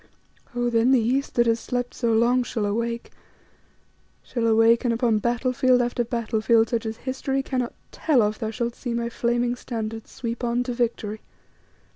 Oh! then the East, that has slept so long, shall awake shall awake, and upon battlefield after battlefield such as history cannot tell of, thou shalt see my flaming standards sweep on to victory.